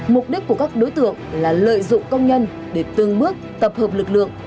mục đích của các đối tượng là lợi dụng công nhân để tương bước tập hợp lực lượng